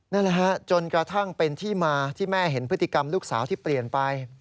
นั่นแหละฮะจนกระทั่งเป็นที่มาที่แม่เห็นพฤติกรรมลูกสาวที่เปลี่ยนไป